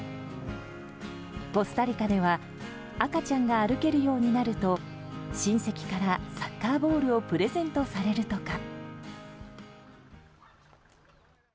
コスタリカでは赤ちゃんが歩けるようになると親戚からサッカーボールをプレゼントされるとか。